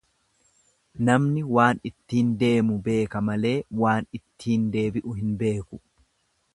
Namni waan ittiin deemu beeka malee waan ittiin deebi'u hin beeku.